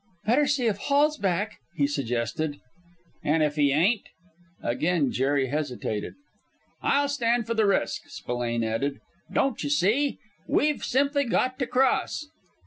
"Better see if Hall's back," he suggested. "And if he ain't?" Again Jerry hesitated. "I'll stand for the risk," Spillane added. "Don't you see, kid, we've simply got to cross!"